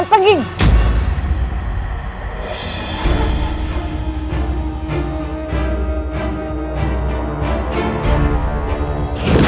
sekarang ada siapa